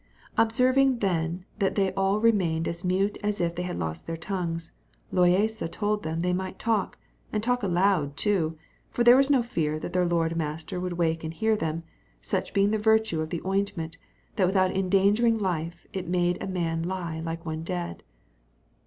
Observing then that they all remained as mute as if they had lost their tongues, Loaysa told them they might talk, and talk aloud too; for there was no fear that their lord master would wake and hear them, such being the virtue of the ointment, that without endangering life it made a man lie like one dead.